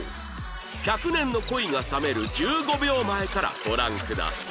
１００年の恋が冷める１５秒前からご覧ください